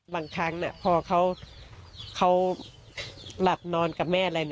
บางครั้งพอเขาหลับนอนกับแม่อะไร